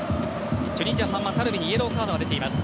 チュニジアの３番、タルビにイエローカードが出ています。